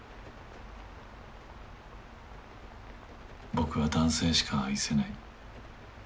僕は男性しか愛せない。